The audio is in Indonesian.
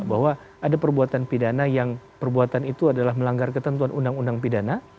bahwa ada perbuatan pidana yang perbuatan itu adalah melanggar ketentuan undang undang pidana